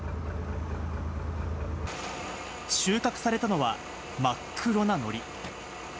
収穫されたのは、真っ黒なのり。